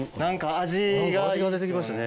味が出て来ましたね。